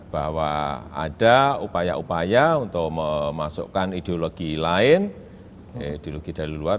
bahwa ada upaya upaya untuk memasukkan ideologi lain ideologi dari luar